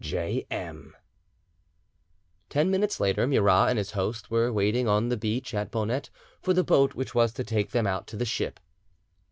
"J. M." Ten minutes later Murat and his host were waiting on the beach at Bonette for the boat which was to take them out to the ship.